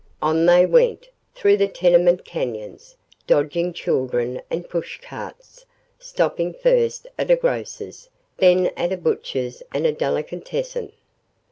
On they went, through the tenement canyons, dodging children and pushcarts, stopping first at a grocer's, then at a butcher's and a delicatessen.